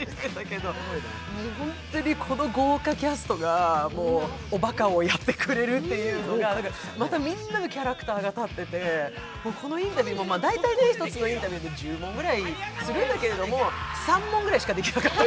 ホントにこの豪華キャストが、おバカをやってくれるというのが、また、みんなのキャラクターが立ってて、このインタビューも、だいたい１つのインタビューで１０問ぐらいするんだけれども、３問くらいしかできなかった。